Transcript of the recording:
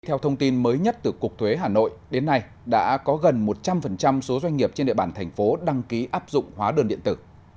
theo thông tin mới nhất từ cục thuế hà nội đến nay đã có gần một trăm linh số doanh nghiệp trên địa bàn thành phố đăng ký áp dụng hóa đơn điện tử